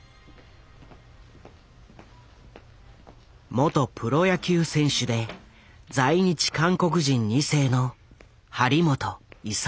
元プロ野球選手で在日韓国人二世の張本勲。